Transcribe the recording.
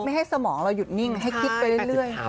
ให้สมองเราหยุดนิ่งให้คิดไปเรื่อย